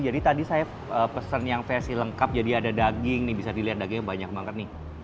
jadi tadi saya pesen yang versi lengkap jadi ada daging nih bisa dilihat dagingnya banyak banget nih